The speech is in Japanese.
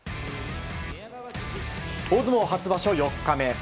大相撲初場所４日目。